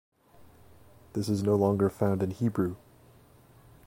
This is no longer found in Hebrew.